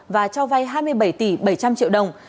và cho vay hai mươi bảy tỷ bảy trăm linh triệu đồng